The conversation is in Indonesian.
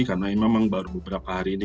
karena ini memang baru beberapa hari ini